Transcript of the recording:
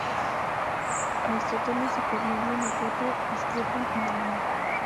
Aristóteles y Cornelio Nepote discrepan en el año.